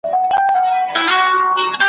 زه لکه سیوری ,